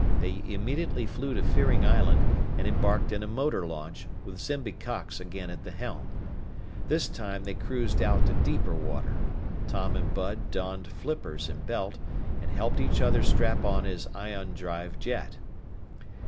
They immediately flew to Fearing Island and embarked in a motor launch, with Zimby Cox again at the helm. This time they cruised out to deeper water. Tom and Bud donned flippers and belt, and helped each other strap on his ion drive jet.